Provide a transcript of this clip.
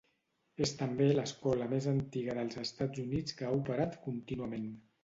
És també l'escola més antiga dels Estats Units que ha operat contínuament.